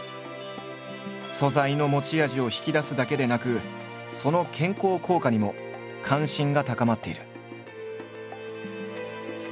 素材の持ち味を引き出すだけでなくその健康効果にも関心が高まっている。